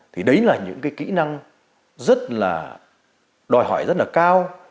thì đấy là những cái kỹ năng rất là đòi hỏi rất là cao